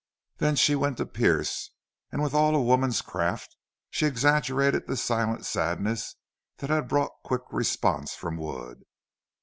Then she went to Pearce and with all a woman's craft she exaggerated the silent sadness that had brought quick response from Wood.